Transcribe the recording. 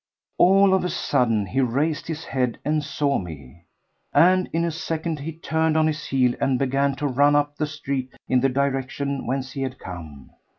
All of a sudden he raised his head and saw me, and in a second he turned on his heel and began to run up the street in the direction whence he had come.